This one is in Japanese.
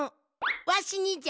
わしにじゃ。